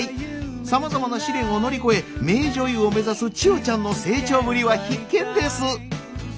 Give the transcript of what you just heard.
さまざまな試練を乗り越え名女優を目指す千代ちゃんの成長ぶりは必見です。